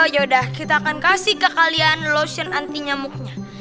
yaudah kita akan kasih ke kalian lotion anti nyamuknya